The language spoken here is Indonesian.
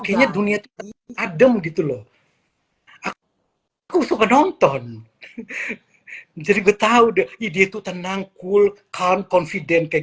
kayaknya dunia itu tenang adem gitu loh aku suka nonton jadi gue tahu deh ide itu tenang cool count confident kayak